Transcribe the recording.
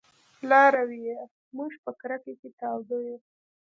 لارويه! موږ په کرکه کې تاوده يو